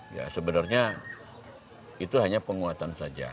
ya sebenarnya itu hanya penguatan saja